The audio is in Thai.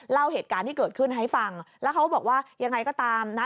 เล่าเหตุการณ์ที่เกิดขึ้นให้ฟังแล้วเขาก็บอกว่ายังไงก็ตามนะ